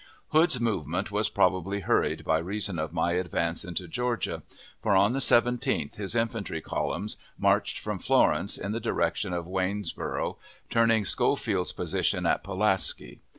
Hood's movement was probably hurried by reason of my advance into Georgia; for on the 17th his infantry columns marched from Florence in the direction of Waynesboro', turning, Schofield's position at Pulaski.